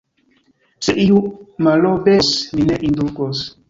Se iu malobeos, mi ne indulgos!